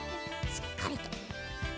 しっかりと。